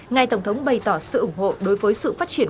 ngài tổng thống bày tỏ sự ủng hộ đối với sự phát triển